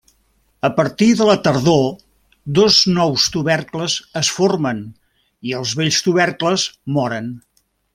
A partir de la tardor dos nous tubercles es formen i els vells tubercles moren.